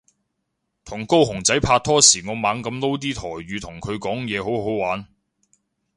同高雄仔拍拖時我猛噉撈啲台語同佢講嘢好好玩